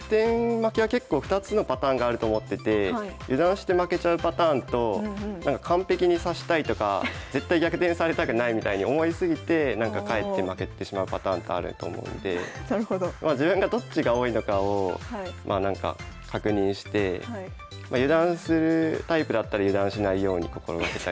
負けは結構２つのパターンがあると思ってて油断して負けちゃうパターンとなんか完璧に指したいとか絶対逆転されたくないみたいに思い過ぎてかえって負けてしまうパターンがあると思うので自分がどっちが多いのかを確認して油断するタイプだったら油断しないように心がけたりとか。